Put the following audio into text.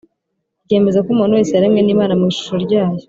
ryemeza ko umuntu wese yaremwe n' imana mu ishusho ryayo,